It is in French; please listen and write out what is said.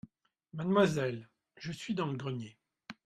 Mademoiselle, je suis dans le grenier…